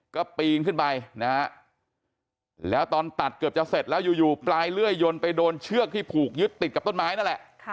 ก็ปีนขึ้นไปนะฮะแล้วตอนตัดเกือบจะเสร็จแล้วอยู่ปลายเลื่อยยนต์ไปโดนเชือกที่ผูกยึดติดกับต้นไม้นั่นแหละ